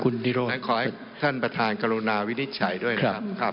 ขอให้ท่านประธานกรุณาวินิจฉัยด้วยนะครับ